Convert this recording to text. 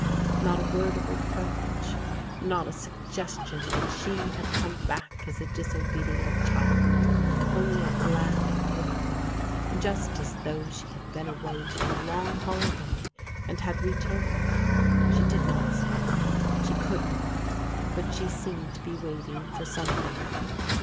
Not a word of reproach, not a suggestion that she had come back as a disobedient child: only a glad welcome — just as though she had been away for a long holiday and had returned. She did not speak, she could not, but she seemed to be waiting for something.